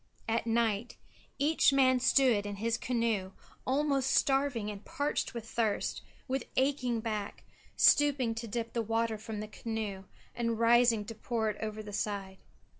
At night each man stood in his canoe almost starving and parched with thirst, with aching back, stooping to dip the water from the canoe and rising to pour it over the side.